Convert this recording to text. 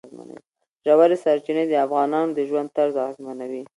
ژورې سرچینې د افغانانو د ژوند طرز اغېزمنوي.